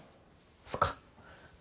そっか。